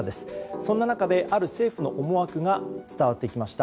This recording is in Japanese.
そんな中で、ある政府の思惑が伝わってきました。